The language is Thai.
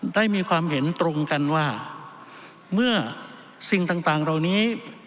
ได้มีความเห็นตรงกันว่าเมื่อสิ่งต่างเหล่านี้